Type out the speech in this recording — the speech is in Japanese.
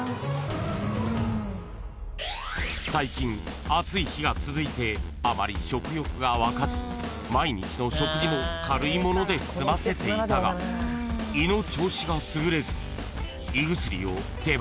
［最近暑い日が続いてあまり食欲が湧かず毎日の食事も軽いもので済ませていたが胃の調子が優れず胃薬を手放せないようになってしまった］